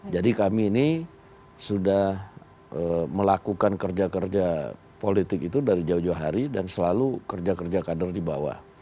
jadi kami ini sudah melakukan kerja kerja politik itu dari jauh jauh hari dan selalu kerja kerja kader di bawah